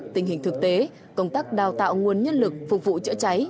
tình hình thực tế công tác đào tạo nguồn nhân lực phục vụ chữa cháy